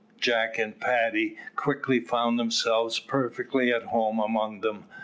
Jack and Paddy quickly found themselves perfectly at home among them.